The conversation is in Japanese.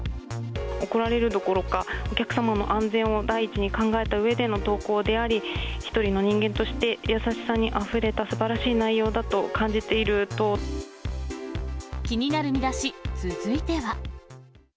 怒られるどころか、お客様の安全を第一に考えたうえでの投稿であり、一人の人間として優しさにあふれたすばらしい内容だと感じている気になるミダシ、続いては。